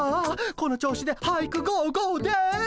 この調子で俳句ゴーゴーです。